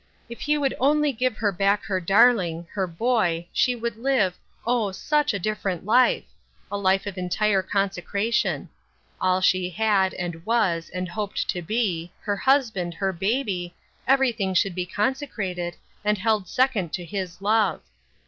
If he would only give her back her darling, her boy, she would live, oh such a different life I — a life of entire consecra tion. All she had, and was, and hoped to be, her husband, her baby — everything should be consecrated, be held second to his love.